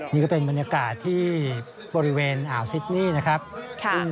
นี่ก็เป็นบรรยากาศที่บริเวณอ่าวซิดนี่นะครับ